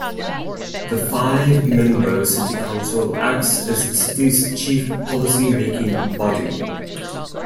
The five-member City Council acts as the city's chief policy-making body.